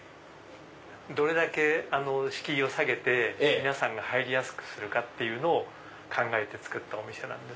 どれだけ敷居を下げて皆さんが入りやすくするかを考えてつくったお店なんです。